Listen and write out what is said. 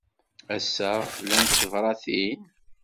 Ass-a, llant tebṛatin?